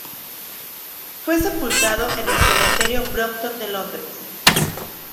Fue sepultado en el Cementerio Brompton de Londres.